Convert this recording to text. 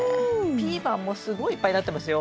ピーマンもすごいいっぱいなってますよ。